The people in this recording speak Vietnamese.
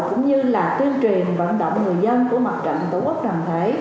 cũng như là tuyên truyền vận động người dân của mặt trạng tổ quốc đồng thể